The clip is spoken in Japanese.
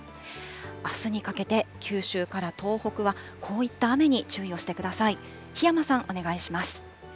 あすにかけて九州から東北はこういった雨に注意をしてください。